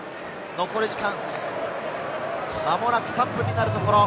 残り時間、まもなく３分になるところ。